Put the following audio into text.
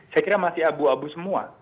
saya kira masih abu abu semua